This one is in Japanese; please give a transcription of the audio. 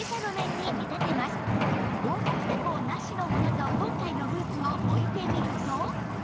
防滑加工なしのものと今回のブーツを置いてみると